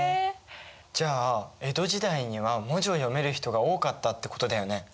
じゃあ江戸時代には文字を読める人が多かったってことだよね。